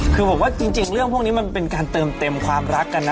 คือผมว่าจริงเรื่องพวกนี้มันเป็นการเติมเต็มความรักกันนะ